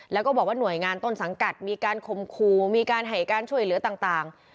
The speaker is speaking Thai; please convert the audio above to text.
แล้วก็บอกว่าหน่วยงานต้นสังกัดมีการคมครูมีการให้การช่วยเหลือต่าง